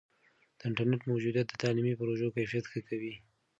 د انټرنیټ موجودیت د تعلیمي پروژو کیفیت ښه کوي.